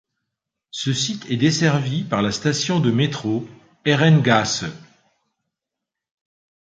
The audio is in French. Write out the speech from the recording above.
Ce site est desservi par la station de métro Herrengasse.